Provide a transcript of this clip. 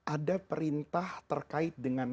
ada perintah terkait dengan